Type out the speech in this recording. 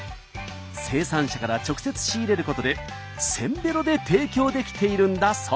生産者から直接仕入れることでせんべろで提供できているんだそう。